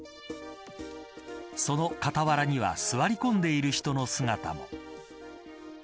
その傍らには座り込んでいる人の姿も。